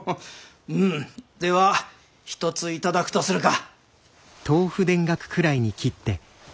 では一つ頂くとするか。